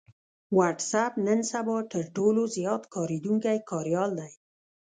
وټس اېپ نن سبا تر ټولو زيات کارېدونکی کاريال دی